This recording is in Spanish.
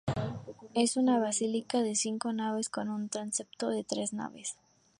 Es una basílica de cinco naves con un transepto de tres naves.